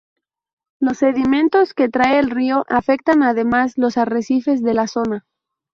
Los sedimentos que trae el río afectan además los arrecifes de la zona.